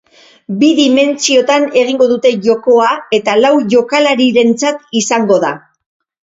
Bi dimentsiotan egingo dute jokoa eta lau jokalarirentzat izango da.